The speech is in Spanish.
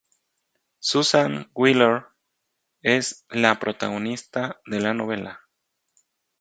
Susan Wheeler es la protagonista de la novela.